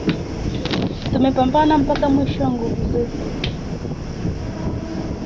Tumepamabana mpaka mwisho wa nguvu zetu.